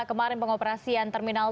kemarin pengoperasian terminal tiga